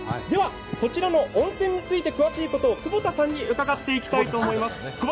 ではこちらも温泉について詳しいことを窪田さんに伺っていきます。